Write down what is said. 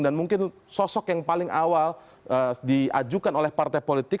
dan mungkin sosok yang paling awal diajukan oleh partai politik